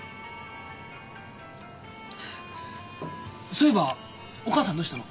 そういえばお母さんどうしたの？